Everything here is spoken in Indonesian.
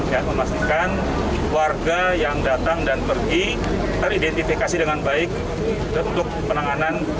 ya memastikan warga yang datang dan pergi teridentifikasi dengan baik untuk penanganan